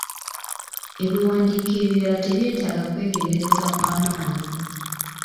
Ebiwandiiko ebirala tebyetaaga kwegendereza kwa maanyi.